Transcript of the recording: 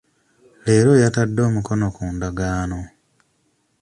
Leero yatadde omukono ku ndagaano.